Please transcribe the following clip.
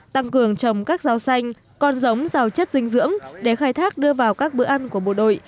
tăng cường trồng các rau xanh còn giống rau chất dinh dưỡng để khai thác đưa vào các bữa ăn của bộ đội